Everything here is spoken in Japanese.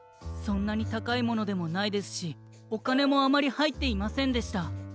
そんなにたかいものでもないですしおかねもあまりはいっていませんでした。